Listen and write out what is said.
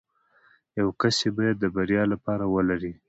يو کس يې بايد د بريا لپاره ولري.